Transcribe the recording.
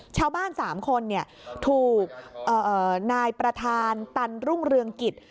ชาวบ้าน๓คนถูกนายประธานตันรุ่งเรืองกิจ